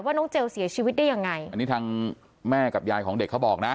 น้องเจลเสียชีวิตได้ยังไงอันนี้ทางแม่กับยายของเด็กเขาบอกนะ